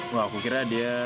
wah aku kira dia